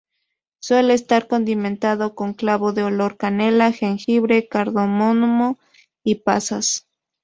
Suele estar condimentado con clavo de olor, canela, jengibre, cardamomo y pasas.